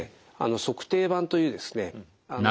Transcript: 足底板というですね